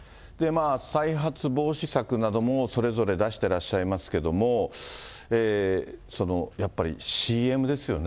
再発防止策などもそれぞれ出してらっしゃいますけども、やっぱりＣＭですよね。